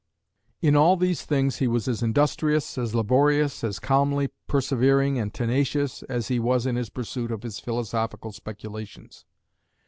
In all these things he was as industrious, as laborious, as calmly persevering and tenacious, as he was in his pursuit of his philosophical speculations.